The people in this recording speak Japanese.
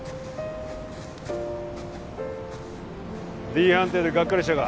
Ｄ判定でがっかりしたか？